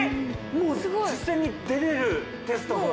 もう実践に出れるテストが。